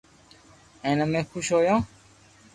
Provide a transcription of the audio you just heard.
ھين امي خوݾ ھويو